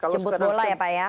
jemput bola ya pak ya